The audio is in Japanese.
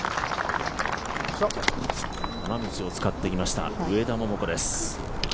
花道を使ってきました、上田桃子です。